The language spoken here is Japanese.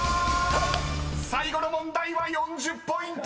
［最後の問題は４０ポイント！］